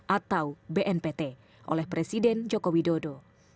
atau bnpt oleh presiden joko widodo